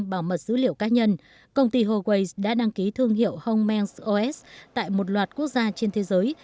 trong nỗ lực làm bảo mật dữ liệu cá nhân công ty huawei đã đăng ký thương hiệu hongmen os tại một loạt quốc gia trên thế giới